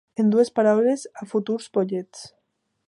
En dues paraules, a futurs pollets.